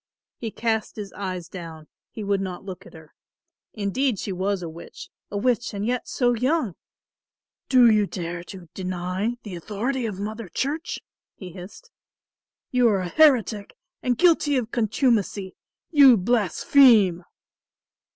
He cast his eyes down, he would not look at her. Indeed she was a witch, a witch and yet so young! "Do you dare to deny the authority of Mother Church?" he hissed. "You are a heretic and guilty of contumacy. You blaspheme."